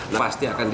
nah pasti akan jatuh